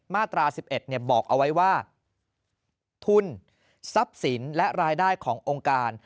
มาตรา๑๑บอกเอาไว้ว่าทุนทรัพย์สินและรายได้ขององค์การ